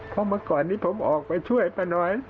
เพราะเมื่อก่อนนี้ผมออกไปช่วยป้าน้อย